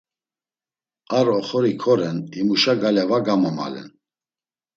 Ar oxori koren, himuşa gale va gomogalen.